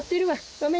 ごめんね。